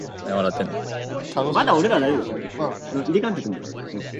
The English album contains three songs not included on the Spanish version.